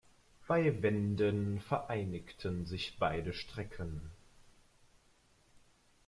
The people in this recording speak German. Bei Wenden vereinigten sich beide Strecken.